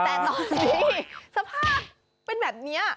แต่ลองซิสภาพเป็นแบบนี้